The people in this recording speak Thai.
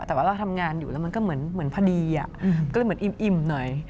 แต่ว่าเราทำงานอยู่แล้วมันก็เหมือนพอดีก็เลยเหมือนอิ่มหน่อย